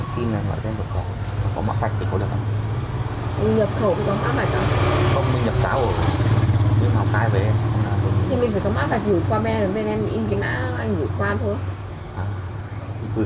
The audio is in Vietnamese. tem đã bán đâu anh nhỉ